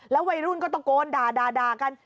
แล้ววัยรุ่นก็ตกโกนด่ากัน